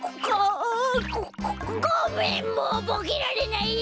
ごめんもうボケられないや。